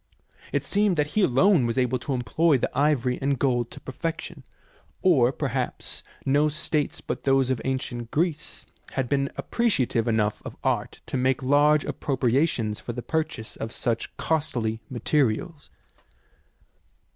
It seems that he alone was able to employ the ivory and gold to perfection, or perhaps no states but those of ancient Greece have been appreciative enough of art to make large appropriations for the purchase of such costly materials.